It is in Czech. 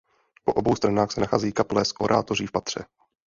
Po obou stranách se nacházejí kaple s oratoří v patře.